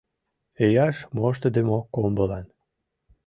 Ияш моштыдымо комбылан